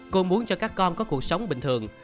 cô muốn cho các con có cuộc sống bình thường